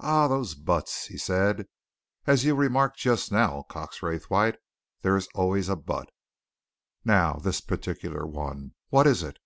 "Ah, those buts!" he said. "As you remarked just now, Cox Raythwaite, there is always a but. Now, this particular one what is it?"